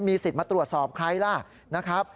มีสิทธิ์มาตรวจสอบใครล่ะ